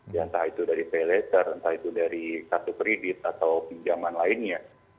diantar itu dari pay letter entar itu dari kartu kredit atau pinjaman lainnya